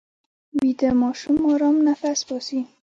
ویده ماشوم ارام نفس باسي